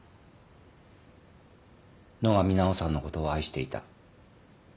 「野上奈緒さんのことを愛していた」